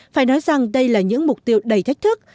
phải nói rằng đây là những mục tiêu đầy thách thức